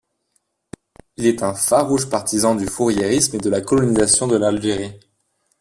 Il est un farouche partisan du fouriérisme et de la colonisation de l'Algérie.